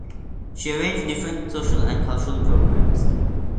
She arranged different social and cultural programmes.